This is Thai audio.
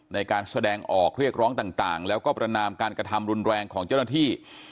ในการแสดงออกเรียกร้องต่างแล้วก็ประนามการกระทำรุนแรงของเจ้าหน้าที่